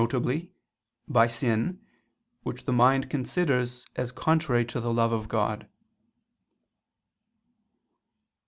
by sin, which the mind considers as contrary to the love of God.